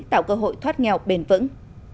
tạo cơ hội thoát nghèo bền vững